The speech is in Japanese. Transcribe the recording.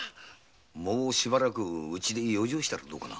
もうしばらくうちで養生したらどうかな？